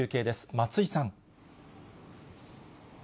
松井さん。